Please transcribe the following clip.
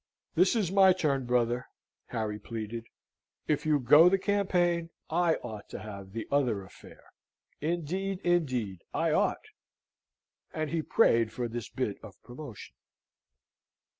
"This is my turn, brother," Harry pleaded. "If you go the campaign, I ought to have the other affair. Indeed, indeed, I ought." And he prayed for this bit of promotion.